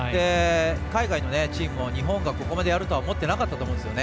海外のチームも日本がここまでやるとは思ってなかったと思うんですよね。